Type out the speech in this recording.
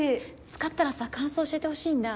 使ったらさ感想教えてほしいんだ。